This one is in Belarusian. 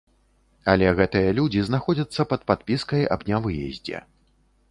Але гэтыя людзі знаходзяцца пад падпіскай аб нявыездзе.